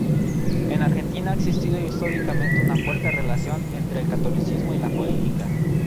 En Argentina ha existido históricamente una fuerte relación entre el catolicismo y la política.